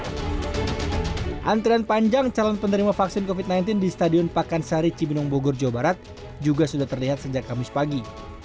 vaksinasi masal ini menyasar warga berktp bogor dan juga karyawan yang berpengalaman untuk mengambil vaksinasi covid sembilan belas di stadion pakansari cibinong bogor jawa barat juga sudah terlihat sejak kamis pagi